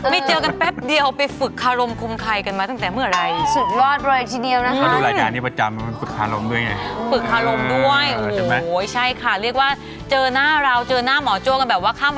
ไม่เจอกันแป๊บเดียวไปฝึกคารมคุมไขกันมาตั้งแต่เมื่อไรสุดรอดเลยทีเดียวนะฮะ